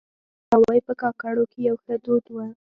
دراوۍ په کاکړو کې يو ښه دود وه.